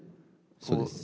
そうです。